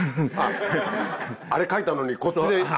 あれ描いたのにこっちで。